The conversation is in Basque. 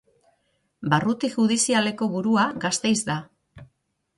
Barruti judizialeko burua Gasteiz da.